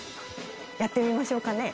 やってみましょうかね。